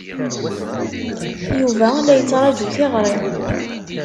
Yuba la yettṛaju tiɣri.